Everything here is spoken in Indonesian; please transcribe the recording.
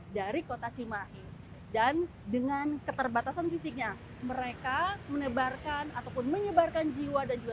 dari kota cimahi dan dengan keterbatasan fisiknya mereka menebarkan ataupun menyebarkan jiwa dan juga